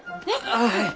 あっはい！